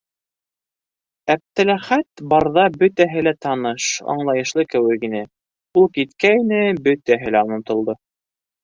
Әптеләхәт барҙа бөтәһе лә таныш, аңлайышлы кеүек ине, ул киткәйне - бөтәһе лә онотолдо.